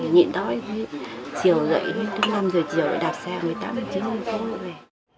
nhịn đói chiều dậy tức năm giờ chiều lại đạp xe một mươi tám một mươi chín km về